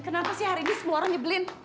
kenapa sih hari ini semua orang nyebelin